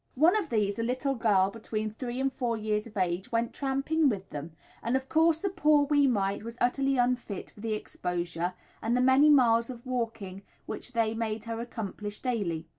One of these, a little girl between three and four years of age, went tramping with them, and of course, the poor wee mite was utterly unfit for the exposure and the many miles of walking which they made her accomplish daily.